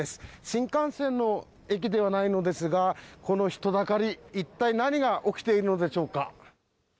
新幹線の駅ではないのですが、この人だかり、一体何が起きているのでしょうか。